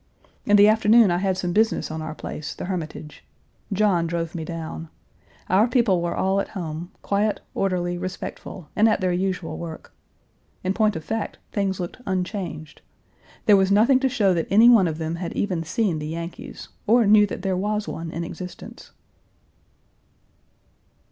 In the afternoon I had some business on our place, the Hermitage. John drove me down. Our people were all at home, quiet, orderly, respectful, and at their usual work. In point of fact things looked unchanged. There was nothing to show that any one of them had even seen the Yankees, or knew that there was one in existence.